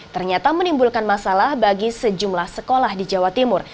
ternyata menimbulkan masalah bagi sejumlah sekolah di jawa timur